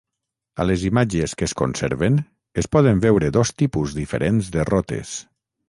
A les imatges que es conserven es poden veure dos tipus diferents de rotes.